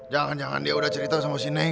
jangan jangan dia udah cerita sama sineng